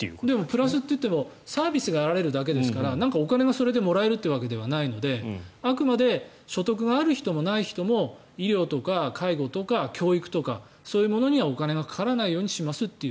プラスって言ってもサービスが得られるだけですからなんかお金がもらえるというわけではないのであくまで所得がある人もない人も医療とか介護とか教育とかそういうものにはお金がかからないようにしますという。